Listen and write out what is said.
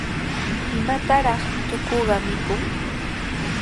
¿Imataraq tukuqa mikun?